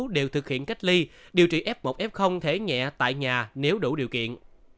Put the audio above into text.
đều thực hiện cách ly điều trị f một f thể nhẹ tại nhà nếu đủ điều kiện